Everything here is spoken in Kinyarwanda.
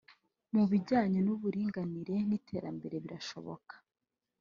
mu bijyanye n’uburinganire n’ iterambere birashoboka